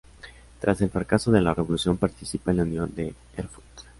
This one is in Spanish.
Tras el fracaso de la revolución, participa en la Unión de Erfurt.